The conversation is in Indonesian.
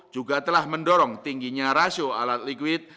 juga telah mendorong tingginya rasio alat likuid